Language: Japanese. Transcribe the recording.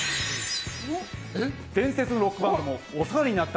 伝説のロックバンドもお世話になった！